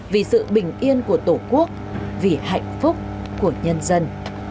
vì sự bình yên của tổ quốc vì hạnh phúc của nhân dân